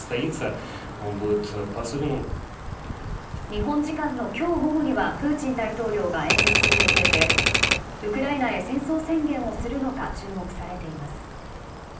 日本時間のきょう午後には、プーチン大統領が演説する予定でウクライナへ戦争宣言をするのか注目されています。